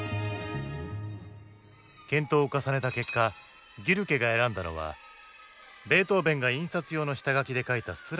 検討を重ねた結果ギュルケが選んだのはベートーヴェンが印刷用の下書きで書いたスラーだった。